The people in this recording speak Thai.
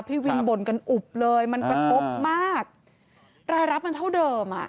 พี่วินบ่นกันอุบเลยมันกระทบมากรายรับมันเท่าเดิมอ่ะ